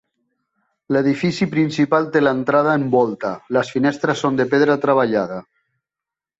L'edifici principal té l'entrada en volta, les finestres són de pedra treballada.